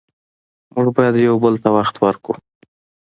موږ باید یو بل ته وخت ورکړو